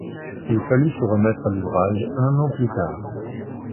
Il fallut se remettre à l’ouvrage un an plus tard.